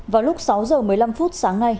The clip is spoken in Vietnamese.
vào lúc sáu h một mươi năm sáng nay